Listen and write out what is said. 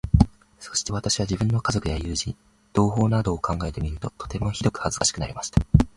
そして私は、自分の家族や友人、同胞などを考えてみると、とてもひどく恥かしくなりました。